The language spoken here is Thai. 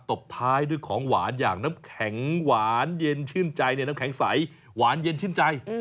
ตบท้ายด้วยของหวานอย่างน้ำแข็งหวานเย็นชื่นใจในน้ำแข็งใสหวานเย็นชื่นใจ